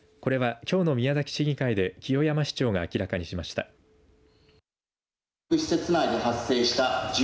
これはきょうの宮崎市議会で清山市長が明らかにしました。